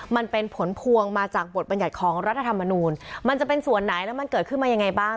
มันเป็นผลพวงมาจากบทบัญญัติของรัฐธรรมนูลมันจะเป็นส่วนไหนแล้วมันเกิดขึ้นมายังไงบ้าง